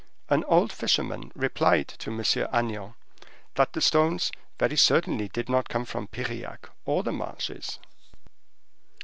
An old fisherman replied to M. Agnan, that the stones very certainly did not come from Piriac or the marshes.